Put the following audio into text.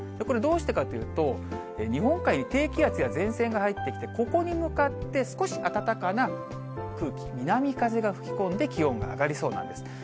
これ、どうしてかというと、日本海に低気圧や前線が入ってきて、ここに向かって、少し暖かな空気、南風が吹き込んで、気温が上がりそうなんです。